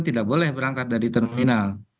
tidak boleh berangkat dari terminal